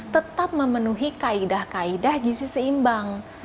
tetap memenuhi kaidah kaidah gizi seimbang